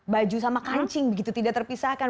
baju sama kancing begitu tidak terpisahkan